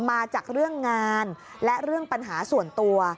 มาจากเรื่องงานและเรื่องปัญหาส่วนตัว